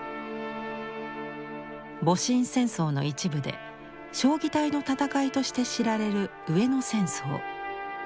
戊辰戦争の一部で彰義隊の戦いとして知られる上野戦争。